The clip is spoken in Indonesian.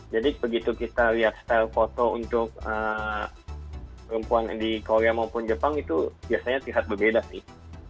jadi begitu kita lihat style foto untuk perempuan di korea maupun jepang itu biasanya terlihat berbeda sih